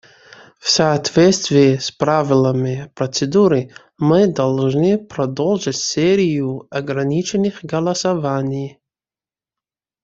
В соответствии с правилами процедуры мы должны продолжить серию ограниченных голосований.